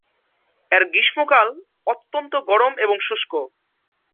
এর গ্রীষ্মকাল অত্যন্ত গরম এবং শুষ্ক।